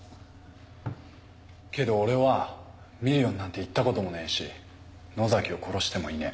けど俺はミリオンなんて行ったこともねえし能崎を殺してもいねえ。